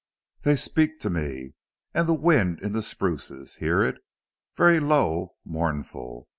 They speak to me. And the wind in the spruces. Hear it.... Very low, mournful!